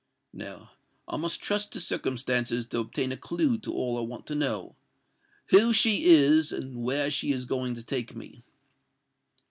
No:—I must trust to circumstances to obtain a clue to all I want to know—who she is, and where she is going to take me."